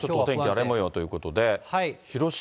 荒れもようということで。